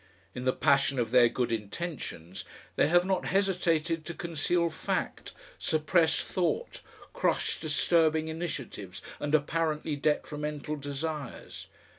In the passion of their good intentions they have not hesitated to conceal fact, suppress thought, crush disturbing initiatives and apparently detrimental desires.